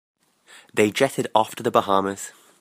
They jetted off to the Bahamas.